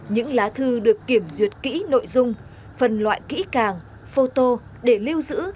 những lá thư được kiểm duyệt kỹ nội dung phần loại kỹ càng photo để lưu giữ